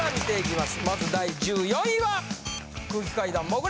まず第１４位は。